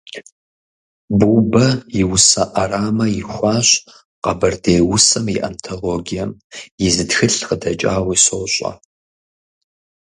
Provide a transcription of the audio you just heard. Бубэ и усэ Ӏэрамэ ихуащ «Къэбэрдей усэм и антологием», и зы тхылъ къыдэкӀауи сощӀэ.